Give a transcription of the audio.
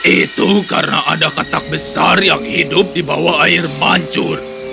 itu karena ada katak besar yang hidup di bawah air mancur